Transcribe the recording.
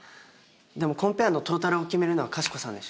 でもコンペ案のトータルを決めるのはかしこさんでしょ。